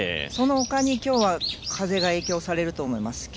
その丘に今日は風が影響されると思います。